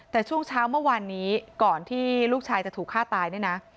แต่ช่วงเช้าเมื่อวานนี้ก่อนที่ลูกชายจะถูกฆ่าตายเนี่ยนะ